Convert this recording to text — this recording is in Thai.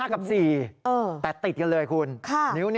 ๕กับ๔แต่ติดกันเลยคุณ